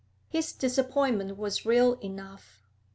His disappointment was real enough.